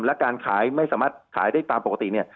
และการขายไม่สามารถขายได้ตามปกติเนี่ย